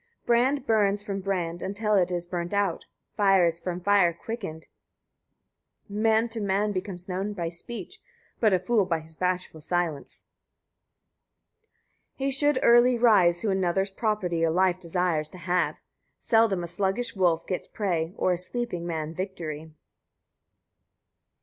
57. Brand burns from brand until it is burnt out; fire is from fire quickened. Man to' man becomes known by speech, but a fool by his bashful silence. 58. He should early rise, who another's property or wife desires to have. Seldom a sluggish wolf gets prey, or a sleeping man victory.